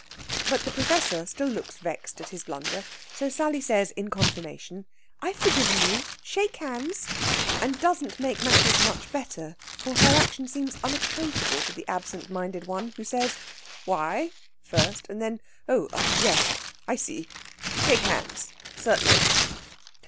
But the Professor still looks vexed at his blunder. So Sally says in confirmation, "I've forgiven you. Shake hands!" And doesn't make matters much better, for her action seems unaccountable to the absent minded one, who says, "Why?" first, and then, "Oh, ah, yes I see. Shake hands, certainly!"